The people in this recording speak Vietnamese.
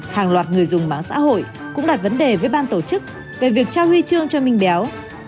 hàng loạt người dùng mạng xã hội cũng đặt vấn đề với ban tổ chức về việc trao huy chương cho minh béo